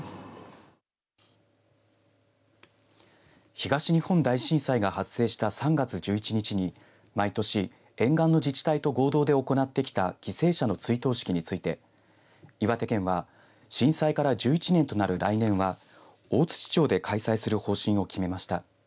東日本大震災が発生した３月１１日に毎年沿岸の自治体と合同で行ってきた犠牲者の追悼式について岩手県は震災から１１年となる来年は大槌町で開催する方針を決めました。